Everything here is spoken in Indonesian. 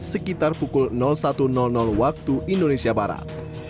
sekitar pukul satu waktu indonesia barat